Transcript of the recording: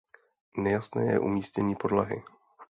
Nejasné je umístění podlahy.